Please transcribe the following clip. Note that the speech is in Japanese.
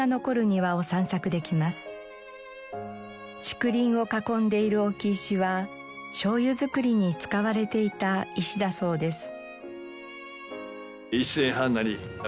竹林を囲んでいる置き石は醤油造りに使われていた石だそうです。